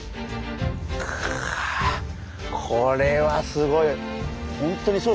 かこれはすごい。